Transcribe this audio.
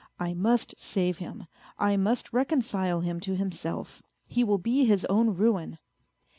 " I must save him. I must reconcile him to himself. He will be his own ruin."